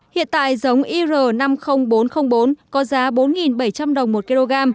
hiện tại giống ir năm mươi nghìn bốn trăm linh bốn có giá bốn bảy trăm linh đồng một kg